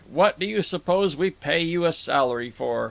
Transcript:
What do you suppose we pay you a salary for?